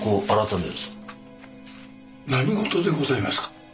何事でございますか？